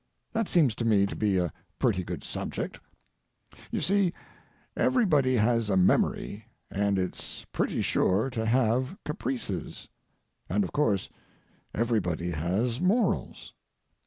That seems to me to be a pretty good subject. You see, everybody has a memory and it's pretty sure to have caprices. And, of course, everybody has morals.